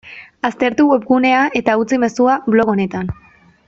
Aztertu webgunea eta utzi mezua blog honetan.